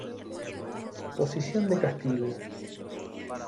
Posición de castigo.